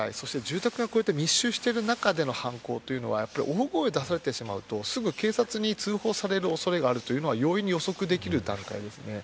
そして、住宅がこうやって密集している中での犯行というのは大声を出されてしまうとすぐ警察に通報される恐れがあるというのは容易に予測できる段階ですね。